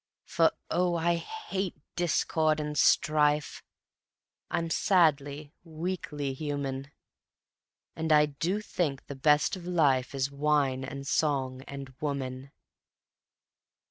For, oh, I hate discord and strife; I'm sadly, weakly human; And I do think the best of life Is wine and song and woman.